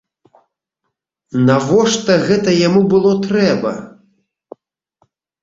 Навошта гэта яму было трэба?